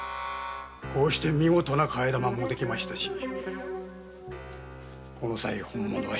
こうして見事な替え玉もできましたしこの際本物はひと思いに。